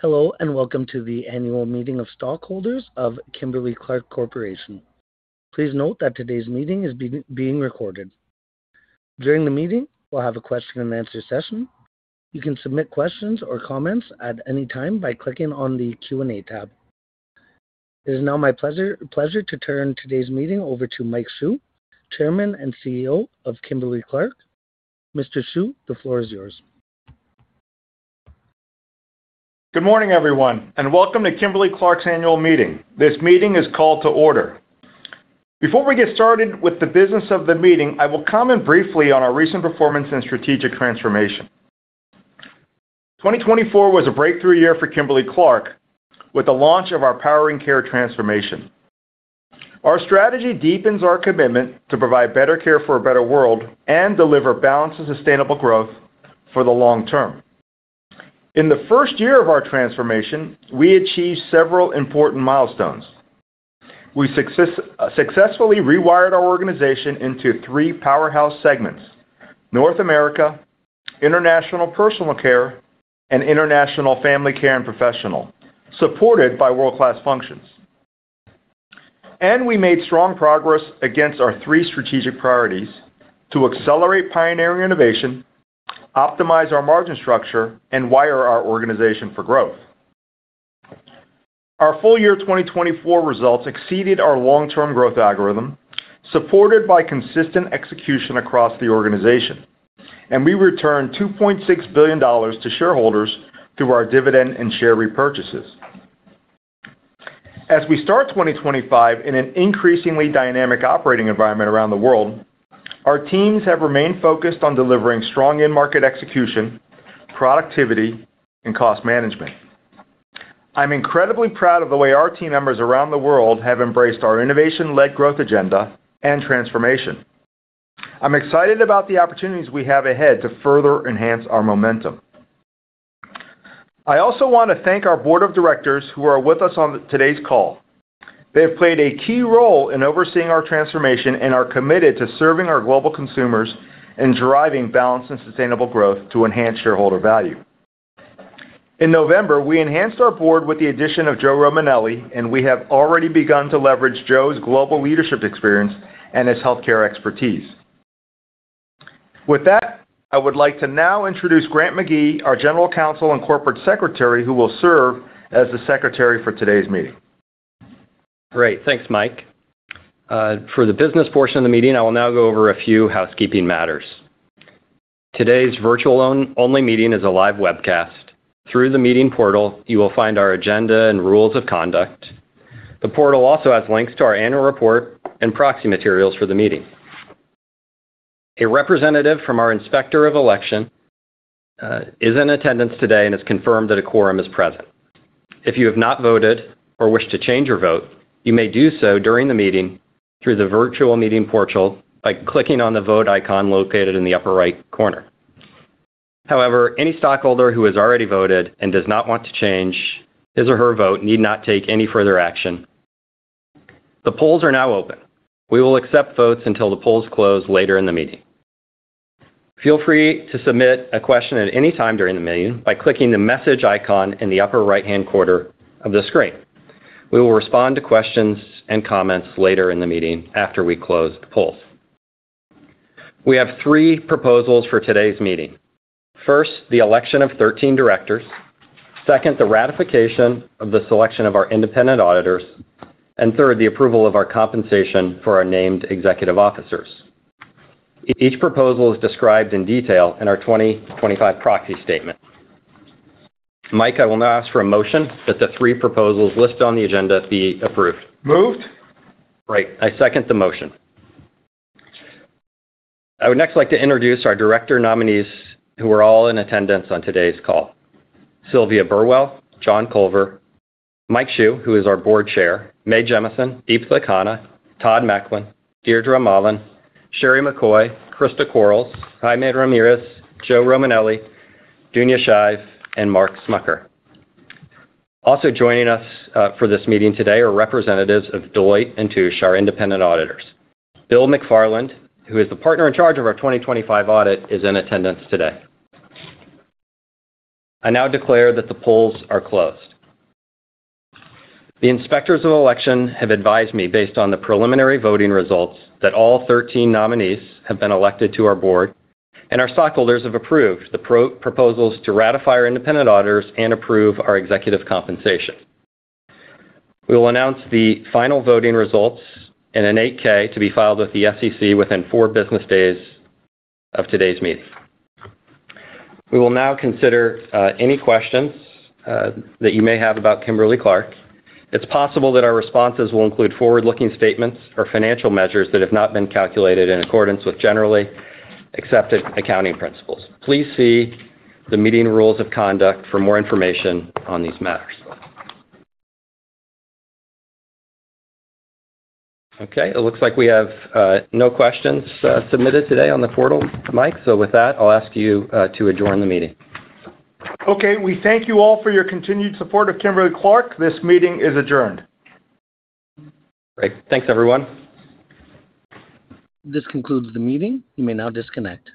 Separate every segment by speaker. Speaker 1: Hello and welcome to the annual meeting of stockholders of Kimberly-Clark Corporation. Please note that today's meeting is being recorded. During the meeting, we'll have a question-and-answer session. You can submit questions or comments at any time by clicking on the Q&A tab. It is now my pleasure to turn today's meeting over to Mike Hsu, Chairman and CEO of Kimberly-Clark. Mr. Hsu, the floor is yours.
Speaker 2: Good morning, everyone, and welcome to Kimberly-Clark's annual meeting. This meeting is called to order. Before we get started with the business of the meeting, I will comment briefly on our recent performance and strategic transformation. 2024 was a breakthrough year for Kimberly-Clark with the launch of our Power and Care transformation. Our strategy deepens our commitment to provide better care for a better world and deliver balanced and sustainable growth for the long term. In the first year of our transformation, we achieved several important milestones. We successfully rewired our organization into three powerhouse segments: North America, international personal care, and international family care and professional, supported by world-class functions. We made strong progress against our three strategic priorities to accelerate pioneering innovation, optimize our margin structure, and wire our organization for growth. Our full year 2024 results exceeded our long-term growth algorithm, supported by consistent execution across the organization, and we returned $2.6 billion to shareholders through our dividend and share repurchases. As we start 2025 in an increasingly dynamic operating environment around the world, our teams have remained focused on delivering strong in-market execution, productivity, and cost management. I'm incredibly proud of the way our team members around the world have embraced our innovation-led growth agenda and transformation. I'm excited about the opportunities we have ahead to further enhance our momentum. I also want to thank our board of directors who are with us on today's call. They have played a key role in overseeing our transformation and are committed to serving our global consumers and driving balanced and sustainable growth to enhance shareholder value. In November, we enhanced our board with the addition of Joe Romanelli, and we have already begun to leverage Joe's global leadership experience and his healthcare expertise. With that, I would like to now introduce Grant McGee, our General Counsel and Corporate Secretary, who will serve as the Secretary for today's meeting.
Speaker 3: Great. Thanks, Mike. For the business portion of the meeting, I will now go over a few housekeeping matters. Today's virtual-only meeting is a live webcast. Through the meeting portal, you will find our agenda and rules of conduct. The portal also has links to our annual report and proxy materials for the meeting. A representative from our Inspector of Election is in attendance today and has confirmed that a quorum is present. If you have not voted or wish to change your vote, you may do so during the meeting through the virtual meeting portal by clicking on the vote icon located in the upper right corner. However, any stockholder who has already voted and does not want to change his or her vote need not take any further action. The polls are now open. We will accept votes until the polls close later in the meeting. Feel free to submit a question at any time during the meeting by clicking the message icon in the upper right-hand corner of the screen. We will respond to questions and comments later in the meeting after we close the polls. We have three proposals for today's meeting. First, the election of 13 directors. Second, the ratification of the selection of our independent auditors. Third, the approval of our compensation for our named executive officers. Each proposal is described in detail in our 2025 proxy statement. Mike, I will now ask for a motion that the three proposals listed on the agenda be approved.
Speaker 2: Moved.
Speaker 3: Great. I second the motion. I would next like to introduce our director nominees who are all in attendance on today's call: Sylvia Burwell, John Culver, Mike Hsu, who is our board chair, Mae Jemison, Fabian Abouaf, Todd McLean, Deirdre Mullen, Sherry McCoy, Christa Quarles, Jaime Ramirez, Joe Romanelli, Dunya Shive, and Mark Smucker. Also joining us for this meeting today are representatives of Deloitte & Touche, our independent auditors. Bill McFarland, who is the partner in charge of our 2025 audit, is in attendance today. I now declare that the polls are closed. The Inspectors of Election have advised me, based on the preliminary voting results, that all 13 nominees have been elected to our board, and our stockholders have approved the proposals to ratify our independent auditors and approve our executive compensation. We will announce the final voting results in an 8-K to be filed with the SEC within four business days of today's meeting. We will now consider any questions that you may have about Kimberly-Clark. It's possible that our responses will include forward-looking statements or financial measures that have not been calculated in accordance with generally accepted accounting principles. Please see the meeting rules of conduct for more information on these matters. Okay. It looks like we have no questions submitted today on the portal, Mike. With that, I'll ask you to adjourn the meeting.
Speaker 2: Okay. We thank you all for your continued support of Kimberly-Clark. This meeting is adjourned.
Speaker 3: Great. Thanks, everyone.
Speaker 1: This concludes the meeting. You may now disconnect.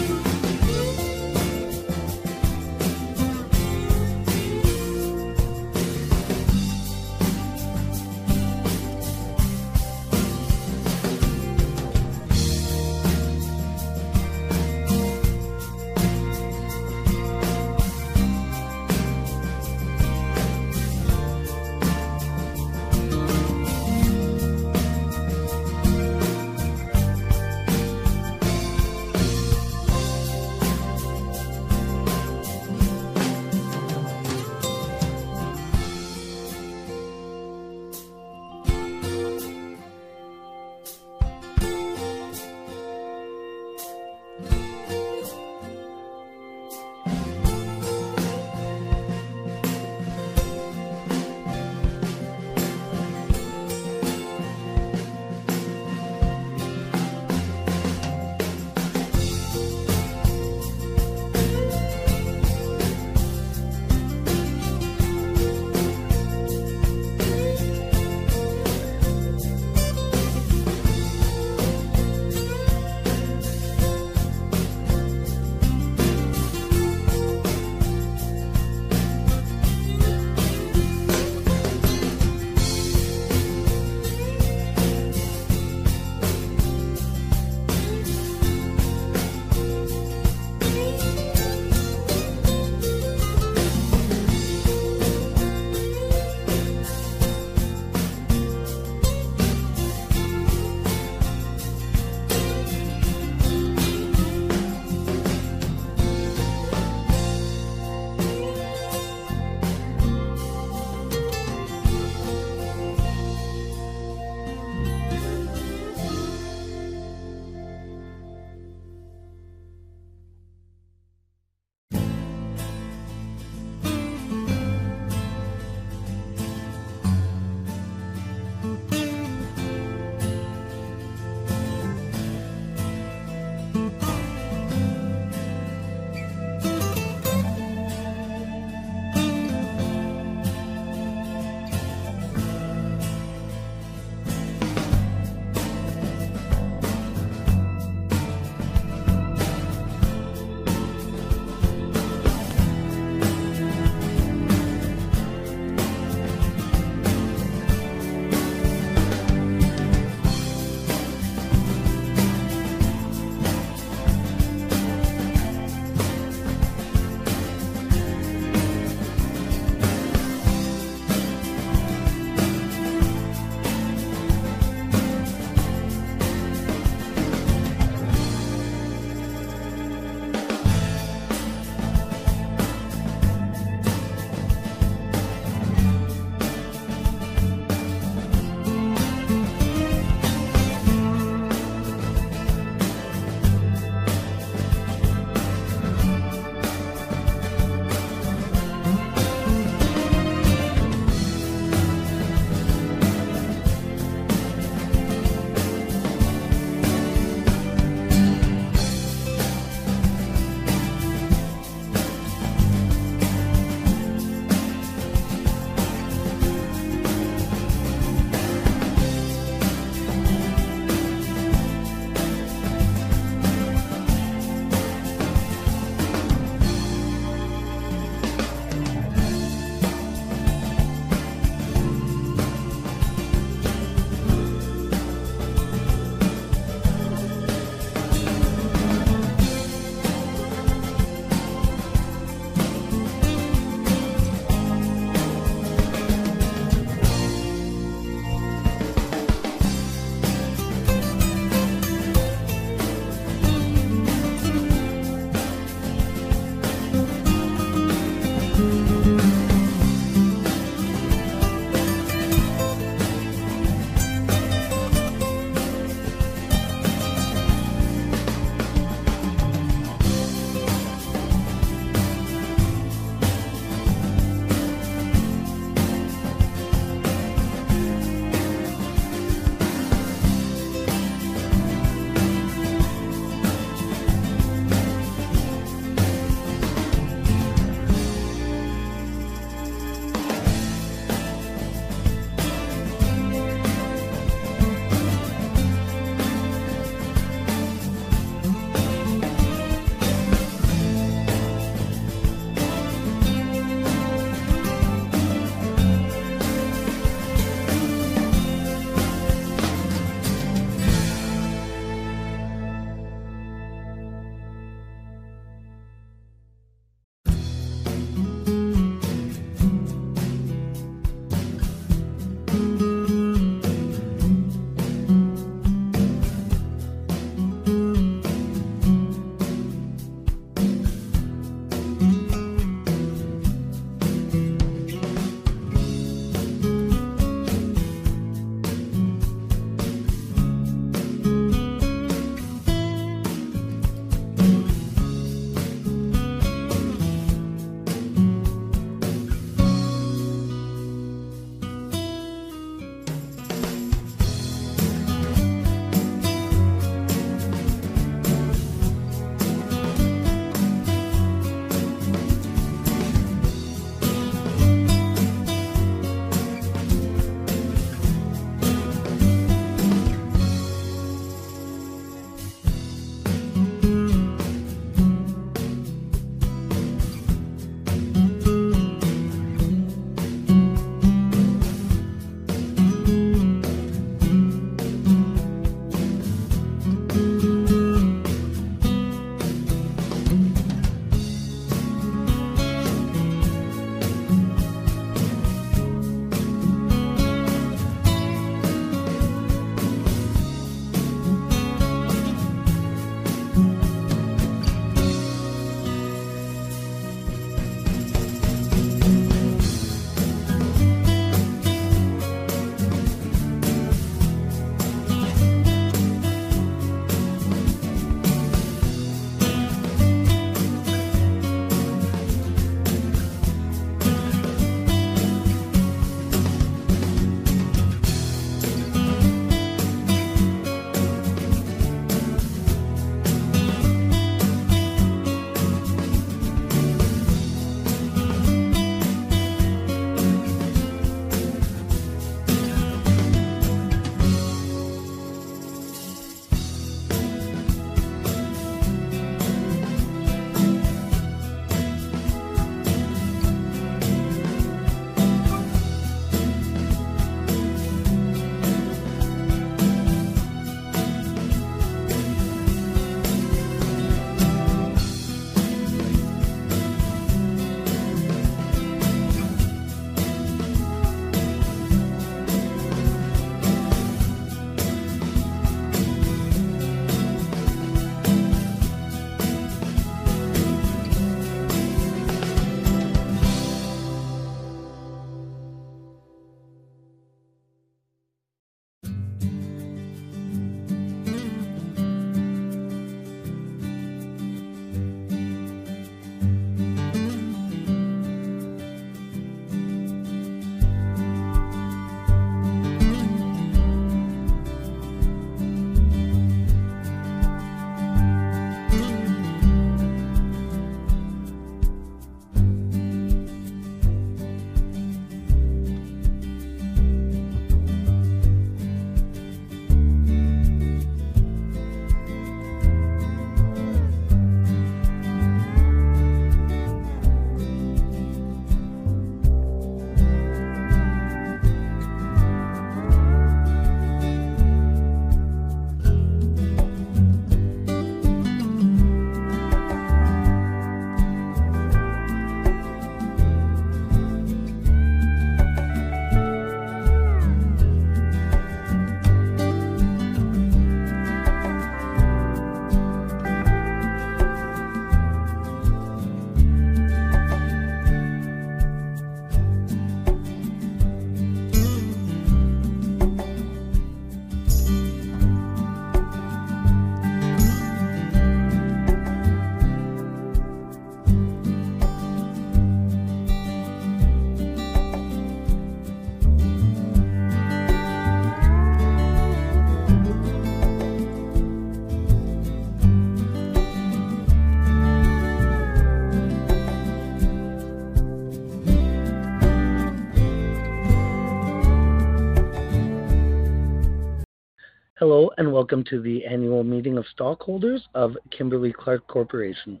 Speaker 1: Hello and welcome to the annual meeting of stockholders of Kimberly-Clark Corporation.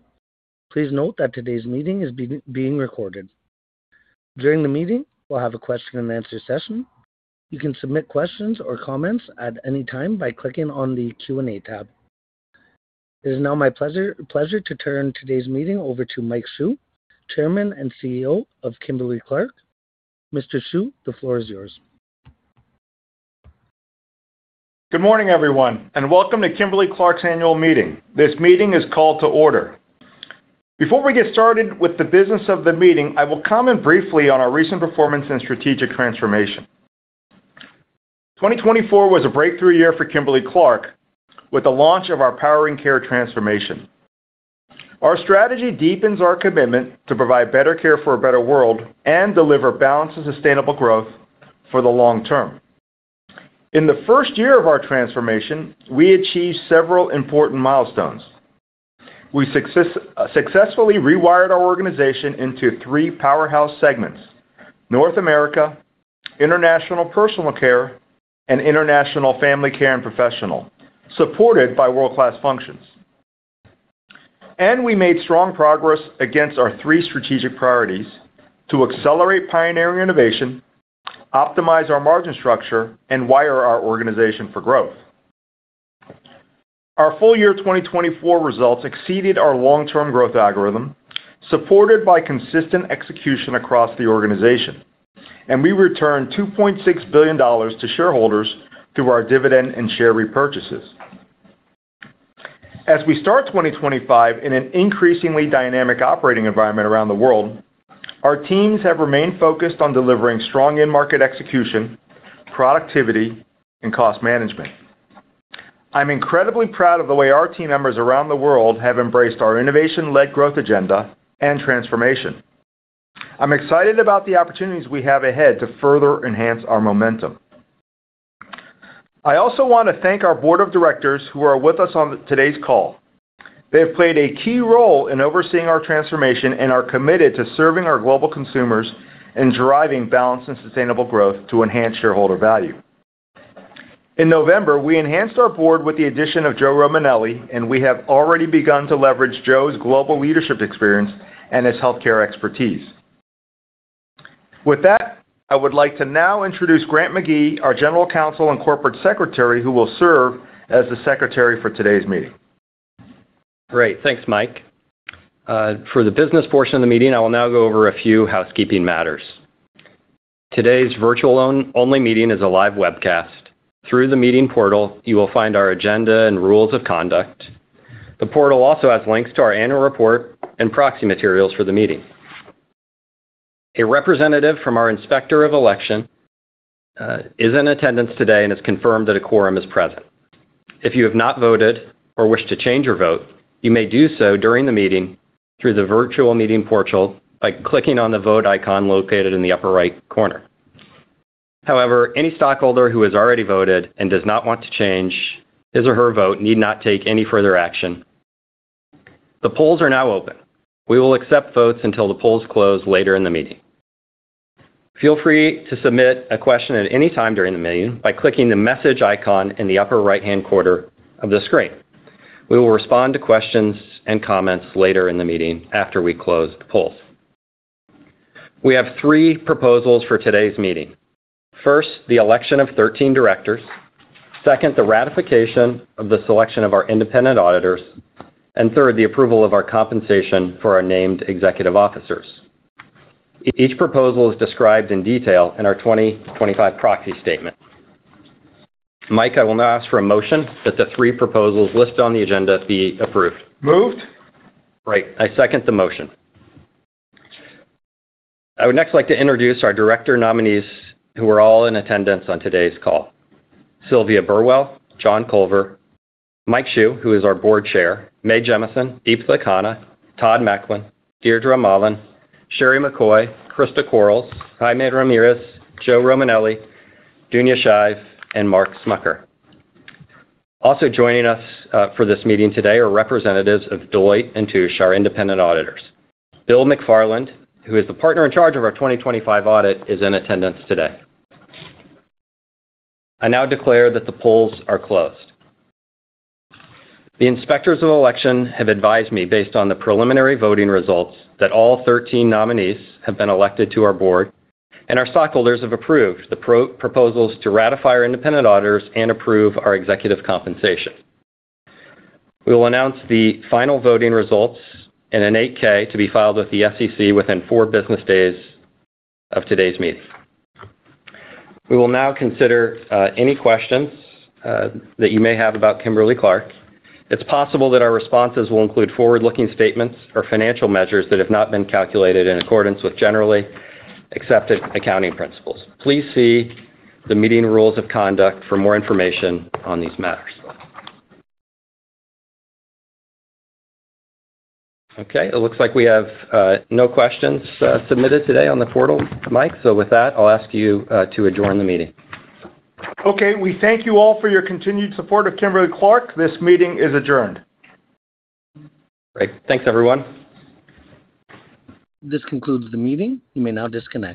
Speaker 1: Please note that today's meeting is being recorded. During the meeting, we'll have a question-and-answer session. You can submit questions or comments at any time by clicking on the Q&A tab. It is now my pleasure to turn today's meeting over to Mike Hsu, Chairman and CEO of Kimberly-Clark. Mr. Hsu, the floor is yours.
Speaker 2: Good morning, everyone, and welcome to Kimberly-Clark's annual meeting. This meeting is called to order. Before we get started with the business of the meeting, I will comment briefly on our recent performance and strategic transformation. 2024 was a breakthrough year for Kimberly-Clark with the launch of our Power and Care transformation. Our strategy deepens our commitment to provide better care for a better world and deliver balanced and sustainable growth for the long term. In the first year of our transformation, we achieved several important milestones. We successfully rewired our organization into three powerhouse segments: North America, international personal care, and international family care and professional, supported by world-class functions. We made strong progress against our three strategic priorities to accelerate pioneering innovation, optimize our margin structure, and wire our organization for growth. Our full year 2024 results exceeded our long-term growth algorithm, supported by consistent execution across the organization, and we returned $2.6 billion to shareholders through our dividend and share repurchases. As we start 2025 in an increasingly dynamic operating environment around the world, our teams have remained focused on delivering strong in-market execution, productivity, and cost management. I'm incredibly proud of the way our team members around the world have embraced our innovation-led growth agenda and transformation. I'm excited about the opportunities we have ahead to further enhance our momentum. I also want to thank our board of directors who are with us on today's call. They have played a key role in overseeing our transformation and are committed to serving our global consumers and driving balanced and sustainable growth to enhance shareholder value. In November, we enhanced our board with the addition of Joe Romanelli, and we have already begun to leverage Joe's global leadership experience and his healthcare expertise. With that, I would like to now introduce Grant McGee, our General Counsel and Corporate Secretary, who will serve as the secretary for today's meeting.
Speaker 3: Great. Thanks, Mike. For the business portion of the meeting, I will now go over a few housekeeping matters. Today's virtual-only meeting is a live webcast. Through the meeting portal, you will find our agenda and rules of conduct. The portal also has links to our annual report and proxy materials for the meeting. A representative from our inspector of election is in attendance today and has confirmed that a quorum is present. If you have not voted or wish to change your vote, you may do so during the meeting through the virtual meeting portal by clicking on the vote icon located in the upper right corner. However, any stockholder who has already voted and does not want to change his or her vote need not take any further action. The polls are now open. We will accept votes until the polls close later in the meeting. Feel free to submit a question at any time during the meeting by clicking the message icon in the upper right-hand corner of the screen. We will respond to questions and comments later in the meeting after we close the polls. We have three proposals for today's meeting. First, the election of 13 directors. Second, the ratification of the selection of our independent auditors. Third, the approval of our compensation for our named executive officers. Each proposal is described in detail in our 2025 proxy statement. Mike, I will now ask for a motion that the three proposals listed on the agenda be approved.
Speaker 2: Moved.
Speaker 3: Great. I second the motion. I would next like to introduce our director nominees who are all in attendance on today's call: Sylvia Burwell, John Culver, Mike Hsu, who is our board chair, Mae Jemison, Fabian Abouaf, Todd McLean, Deirdre Mullen, Sherry McCoy, Christa Quarles, Jaime Ramirez, Joe Romanelli, Dunya Shive, and Mark Smucker. Also joining us for this meeting today are representatives of Deloitte & Touche, our independent auditors. Bill McFarland, who is the partner in charge of our 2025 audit, is in attendance today. I now declare that the polls are closed. The inspectors of election have advised me, based on the preliminary voting results, that all 13 nominees have been elected to our board, and our stockholders have approved the proposals to ratify our independent auditors and approve our executive compensation. We will announce the final voting results in an 8-K to be filed with the SEC within four business days of today's meeting. We will now consider any questions that you may have about Kimberly-Clark. It's possible that our responses will include forward-looking statements or financial measures that have not been calculated in accordance with generally accepted accounting principles. Please see the meeting rules of conduct for more information on these matters. Okay. It looks like we have no questions submitted today on the portal, Mike. With that, I'll ask you to adjourn the meeting.
Speaker 2: Okay. We thank you all for your continued support of Kimberly-Clark. This meeting is adjourned.
Speaker 3: Great. Thanks, everyone.
Speaker 1: This concludes the meeting. You may now disconnect.